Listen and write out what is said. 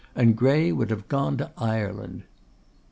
And Grey would have gone to Ireland.